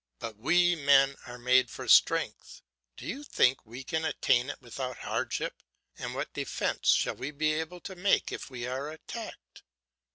But we men are made for strength; do you think we can attain it without hardship, and what defence shall we be able to make if we are attacked?